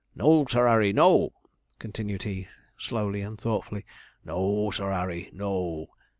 No, Sir 'Arry no,' continued he, slowly and thoughtfully. 'No, Sir 'Arry, no.